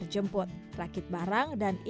selectionine sahaja suka tetap di after purchase